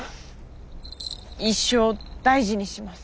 一生大事にします。